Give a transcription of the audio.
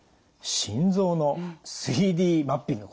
心臓の３Ｄマッピング